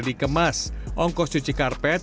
dikemas ongkos cuci karpet